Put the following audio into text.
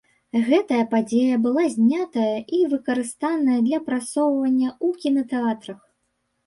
Гэтая падзея была знятая і выкарыстаная для прасоўваньня ў кінатэатрах.